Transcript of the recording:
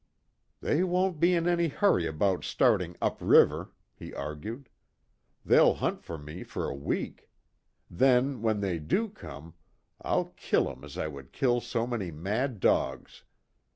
"They won't be in any hurry about starting up river," he argued, "They'll hunt for me for a week. Then, when they do come I'll kill 'em as I would kill so many mad dogs.